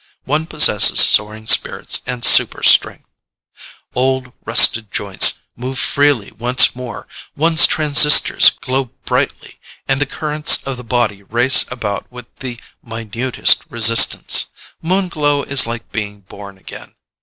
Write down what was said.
One possesses soaring spirits and super strength. Old, rusted joints move freely once more, one's transistors glow brightly, and the currents of the body race about with the minutest resistance. Moon Glow is like being born again.